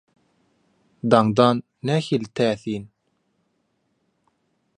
Daňdan nähili täsin.